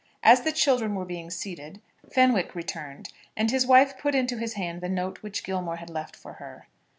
As the children were being seated, Fenwick returned, and his wife put into his hand the note which Gilmore had left for her.